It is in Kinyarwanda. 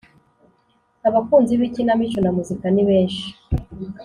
Abakunzi b’ikinamico na muzika nibenshi